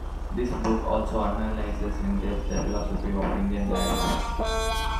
This book also analyses in depth the philosophy of Indian life.